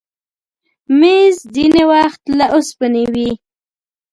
مېز ځینې وخت له اوسپنې وي.